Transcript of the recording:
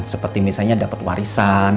seperti misalnya dapat warisan